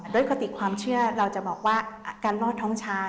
คติความเชื่อเราจะบอกว่าการนอดท้องช้า